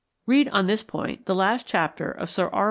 [Read on this point the last chapter of Sir R.